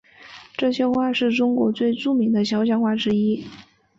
这些画是中国最著名的肖像画之一。